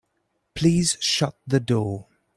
Please shut the door.